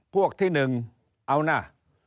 พวกที่หนึ่งเอาหน้า